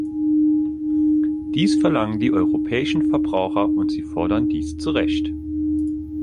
Dies verlangen die europäischen Verbraucher und sie fordern dies zu Recht.